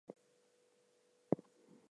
This is the kind of thing I’m talking about.